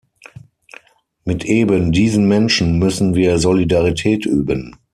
Mit eben diesen Menschen müssen wir Solidarität üben.